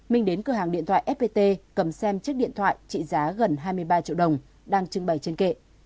minh đến cửa hàng điện thoại fpt cầm xem chiếc điện thoại trị giá gần hai mươi ba triệu đồng đang trưng bày trên kệ